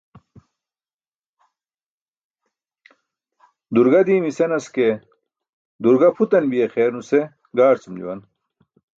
Durga diimi senas ke, "durga" pʰutan biya xeer nuse gaarcum juwan.